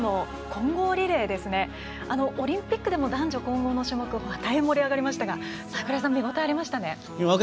競泳最後の混合リレーオリンピックでも男女混合の種目は盛り上がりましたが櫻井さん、見応えありましたね。